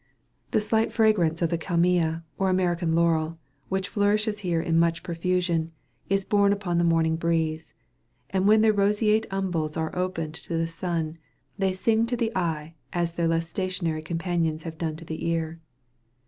The slight fragrance of the kalmia, or American laurel, which flourishes here in much profusion, is borne upon the morning breeze; and when their roseate umbels are opened to the sun, they "sing to the eye," as their less stationary companions have done to the ear.